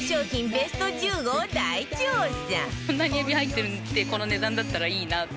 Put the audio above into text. ベスト１５を大調査